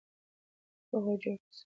روغ او جوړ اوسئ.